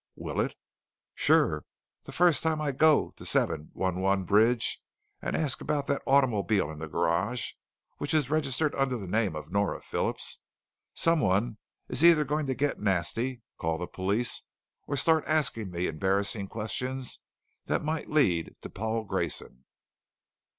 "Will it?" "Sure. The first time I go to 7111 Bridge and ask about that automobile in the garage, which is registered under the name of Nora Phillips, someone is either going to get nasty, call the police, or start asking me embarrassing questions that might lead to Paul Grayson."